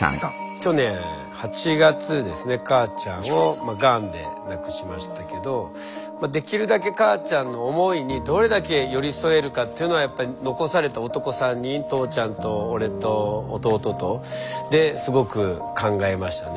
去年８月ですね母ちゃんをがんで亡くしましたけどできるだけ母ちゃんの思いにどれだけ寄り添えるかっていうのはやっぱり残された男３人父ちゃんと俺と弟とですごく考えましたね。